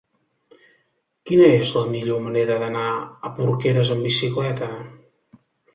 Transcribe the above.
Quina és la millor manera d'anar a Porqueres amb bicicleta?